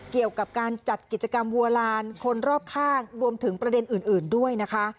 เกี่ยวกับการจัดกิจกรรมวัวลานคนรอบข้างรวมถึงประเด็นอื่นด้วยนะคะ